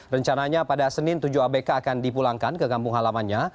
rencananya pada senin tujuh abk akan dipulangkan ke kampung halamannya